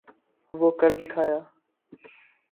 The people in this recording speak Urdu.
وہ کر دکھایا۔